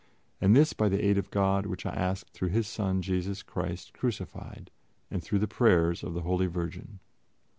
And this by the aid of God, which I ask through His Son Jesus Christ Crucified, and through the prayers of the Holy Virgin."